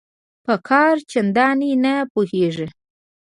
په کار چنداني نه پوهیږي